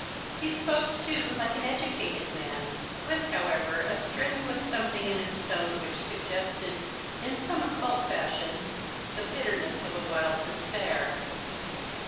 He spoke, too, like an educated man, with, however, a strenuous something in his tone which suggested, in some occult fashion, the bitterness of a wild despair.